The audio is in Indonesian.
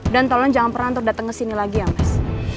dan tolong jangan pernah terdaten kesini lagi ya mas